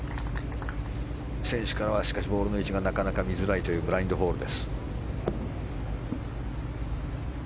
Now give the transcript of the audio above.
選手からは、しかしボールの位置がなかなか見づらいというブラインドホールです。